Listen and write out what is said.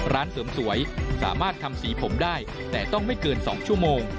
ร้านเสริมสวยสามารถทำสีผมได้แต่ต้องไม่เกิน๒ชั่วโมง